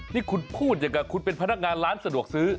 นี่คุณพูดอย่างกับคุณเป็นพนักงานร้านสะดวกซื้อ